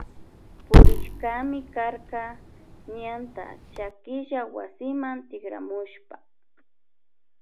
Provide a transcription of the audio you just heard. Purishkami karka ñanta chakilla wasima tikramushpa.